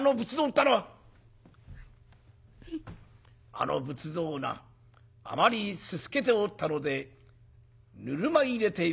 「あの仏像なあまりにすすけておったのでぬるま湯に入れて磨いておったらな」。